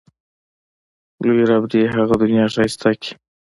لوی رب دې یې هغه دنیا ښایسته کړي.